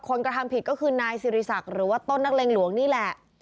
กระทำผิดก็คือนายสิริศักดิ์หรือว่าต้นนักเลงหลวงนี่แหละ